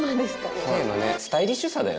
スタイリッシュな。